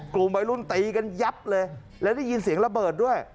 กลุ่มวัยรุ่นตีกันยับเลยและได้ยินเสียงระเบิดด้วย